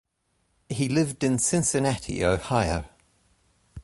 He lived in Cincinnati, Ohio.